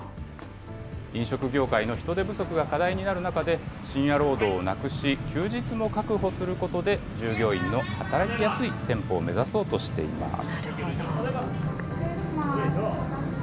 飲食業界の人手不足が課題になる中で、深夜労働をなくし、休日も確保することで、従業員の働きやすい店舗を目指そうとしています。